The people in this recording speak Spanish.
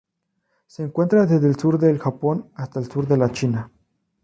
Se encuentra desde el sur del Japón hasta el sur de la China.